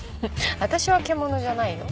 私は獣じゃないよ。